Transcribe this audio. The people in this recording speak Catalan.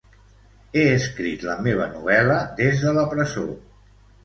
He escrit la meva novel·la des de la presó.